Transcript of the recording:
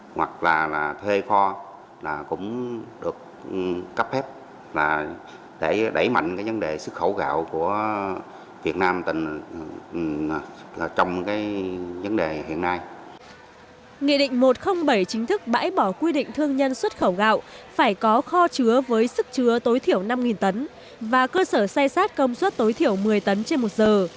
nghị định một trăm linh bảy chính thức bãi bỏ quy định thương nhân xuất khẩu gạo phải có kho chứa với sức chứa tối thiểu năm tấn và cơ sở say sát công suất tối thiểu một mươi tấn trên một giờ